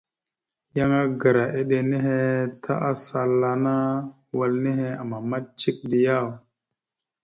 Yan agra eɗe nehe ta asal ana wal nehe amamat cek diyaw ?